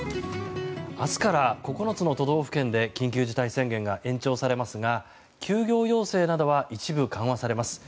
明日から９つの都道府県で緊急事態宣言が延長されますが休業要請などは一部緩和されます。